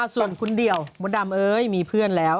ส่วนคุณเดี่ยวมดดำเอ้ยมีเพื่อนแล้ว